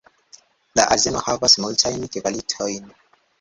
La azeno havas multajn kvalitojn.